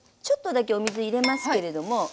ちょっとだけお水入れますけれども。